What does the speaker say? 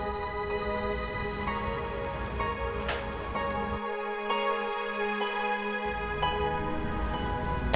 mereka yang merasakan dia